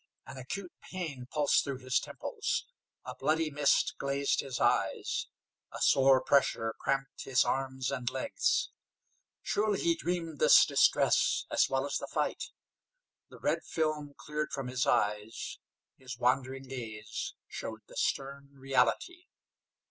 An acute pain pulsed through his temples; a bloody mist glazed his eyes; a sore pressure cramped his arms and legs. Surely he dreamed this distress, as well as the fight. The red film cleared from his eyes. His wandering gaze showed the stern reality.